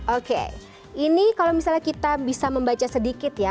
oke ini kalau misalnya kita bisa membaca sedikit ya